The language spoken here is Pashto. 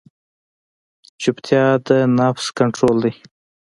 چپتیا، د نفس کنټرول دی.